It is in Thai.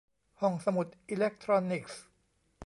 ห้องสมุดอิเล็กทรอนิกส์